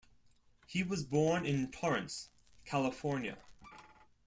He was born in Torrance, California.